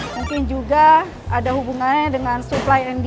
mungkin juga ada hubungannya dengan supply and demand ya